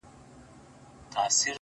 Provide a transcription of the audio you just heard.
ولاړ انسان به وي ولاړ تر اخریته پوري،